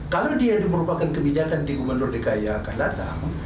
kalau dia merupakan kebijakan di gubernur dki akan datang